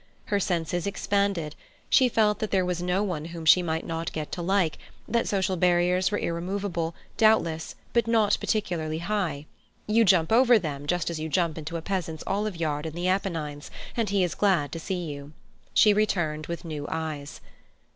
Her senses expanded; she felt that there was no one whom she might not get to like, that social barriers were irremovable, doubtless, but not particularly high. You jump over them just as you jump into a peasant's olive yard in the Apennines, and he is glad to see you. She returned with new eyes.